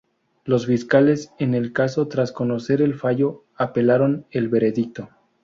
Los fiscales en el caso, tras conocer el fallo; apelaron el veredicto.